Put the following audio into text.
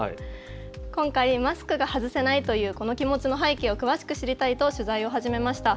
今回マスクが外せないというこの気持ちの背景を詳しく知りたいと取材を始めました。